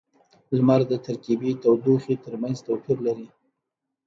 • لمر د ترکيبی تودوخې ترمینځ توپیر لري.